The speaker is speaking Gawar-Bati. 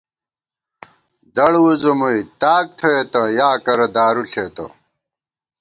دڑ وُځُمُوئی ، تاک تھوئیتہ یا کرہ دارُو ݪېتہ